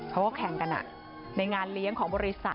เขาก็แข่งกันในงานเลี้ยงของบริษัท